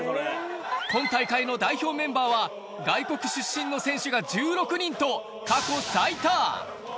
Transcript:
今大会の代表メンバーは、外国出身の選手が１６人と過去最多。